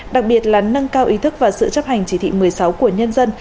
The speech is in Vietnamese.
đặc biệt là nâng cao ý thức và sự chấp hành chỉ thị một mươi sáu của nhân dân